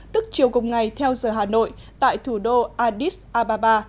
tức chiều cùng ngày theo giờ hà nội tại thủ đô addis ababa